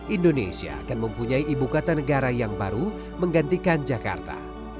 indonesia akan mempunyai ibu kota negara yang baru menggantikan jakarta